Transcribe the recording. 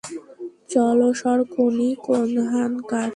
চল সর, খুনী কোনহানকার।